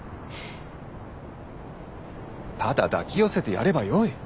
ただ抱き寄せてやればよい。